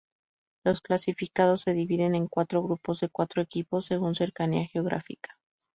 Los clasificados se dividen en cuatro grupos de cuatro equipos según cercanía geográfica.